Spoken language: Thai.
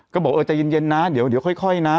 ก็บอกเออจะเย็นนะเดี๋ยวเดี๋ยวค่อยนะ